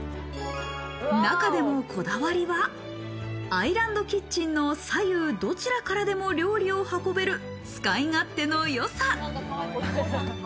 中でもこだわりは、アイランドキッチンの左右どちらからでも料理を運べる使い勝手のよさ。